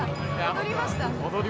踊りました。